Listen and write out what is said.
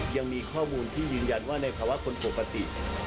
ยังมีข้อมูลที่ยืนยันว่าในภาวะคนปกติ